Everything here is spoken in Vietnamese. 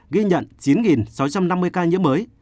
ghi nhận chín sáu trăm năm mươi ca nhiễm mới